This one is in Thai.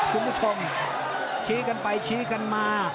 คุณผู้ชมชี้กันไปชี้กันมา